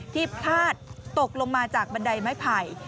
พลาดตกลงมาจากบันไดไม้ไผ่